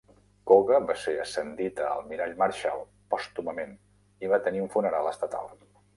Koga va ser ascendit a almirall Marshall pòstumament i va tenir un funeral estatal.